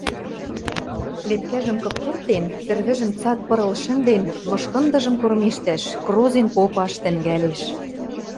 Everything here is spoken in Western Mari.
Лепкӓжӹм кыптыртен, тӹрвӹжӹм цат пырыл шӹнден, мышкындыжым кормежтӓш, крозен попаш тӹнгӓлеш: